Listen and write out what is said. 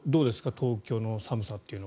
東京の寒さというのは。